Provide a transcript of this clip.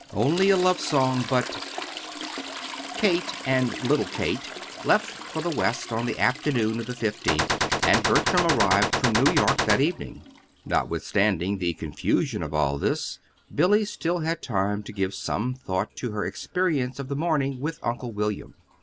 ONLY A LOVE SONG, BUT Kate and little Kate left for the West on the afternoon of the fifteenth, and Bertram arrived from New York that evening. Notwithstanding the confusion of all this, Billy still had time to give some thought to her experience of the morning with Uncle William.